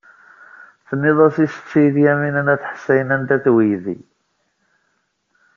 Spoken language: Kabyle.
Tenniḍ-as i Setti Lyamina n At Ḥsayen anda-t weydi.